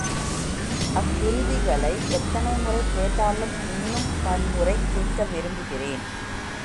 அக்கிருதிகளை எத்தனை முறை கேட்டாலும் இன்னும் பன்முறை கேட்க விரும்புகிறேன்.